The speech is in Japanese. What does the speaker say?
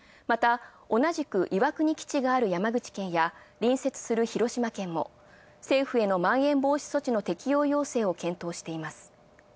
また同じく岩国基地がある山口県や隣接する広島県も政府へのまん延防止措置の適用を検討しています。